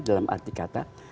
dalam arti kata